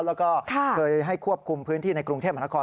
แล้วก็เคยให้ควบคุมพื้นที่ในกรุงเทพมหานคร